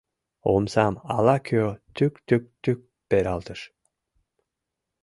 Омсам ала кӧ тӱк-тӱк-тӱк пералтыш.